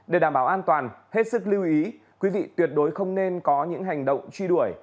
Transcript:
để đảm bảo an toàn hết sức lưu ý quý vị tuyệt đối không nên có những hành động truy đuổi